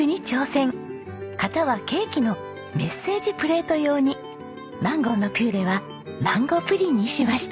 型はケーキのメッセージプレート用にマンゴーのピューレはマンゴープリンにしました。